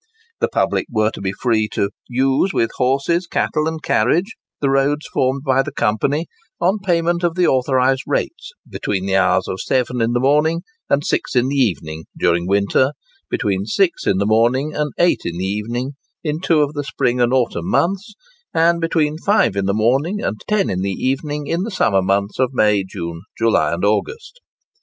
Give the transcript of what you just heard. The public were to be free "to use with horses, cattle and carriages," the roads formed by the company, on payment of the authorised rates, "between the hours of seven in the morning and six in the evening," during winter; "between six in the morning and eight in the evening," in two of the spring and autumn months; and "between five in the morning and ten in the evening," in the summer months of May, June, July, and August.